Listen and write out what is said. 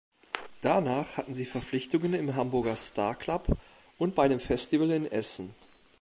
Danach hatten sie Verpflichtungen im Hamburger Star Club und bei einem Festival in Essen.